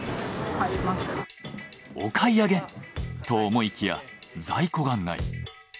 お買い上げと思いきや在庫がない。